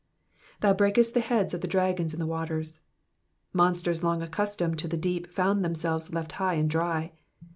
'^Thou hrakeHt the heads of the dragons in the waters."*^ Monsters long accustomed to the deep found themselves left high and dry.